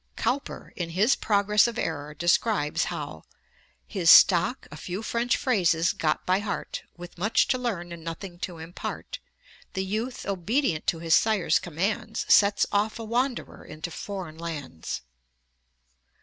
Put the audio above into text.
Ib. p. 98. Cowper, in his Progress of Error (ed. 1782, i. 60), describes how 'His stock, a few French phrases got by heart, With much to learn and nothing to impart, The youth obedient to his sire's commands, Sets off a wanderer into foreign lands.